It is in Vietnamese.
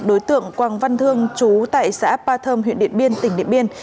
đối tượng quang văn thương chú tại xã appa thơm huyện điện biên tỉnh điện biên